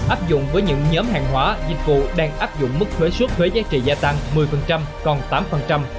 hai nghìn hai mươi hai áp dụng với những nhóm hàng hóa dịch vụ đang áp dụng mức thuế suất thuế giá trị gia tăng một mươi phần trăm còn tám phần trăm